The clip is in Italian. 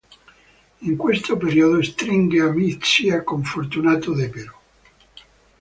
In questo periodo stringe amicizia con Fortunato Depero.